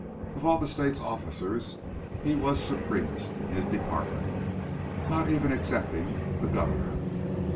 Of all the state's officers he was supremest in his department, not even excepting the Governor.